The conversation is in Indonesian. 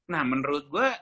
nah menurut gue